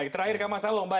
terakhir mas salung